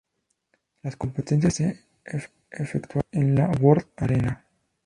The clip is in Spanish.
Las competiciones se efectuaron en la World Arena.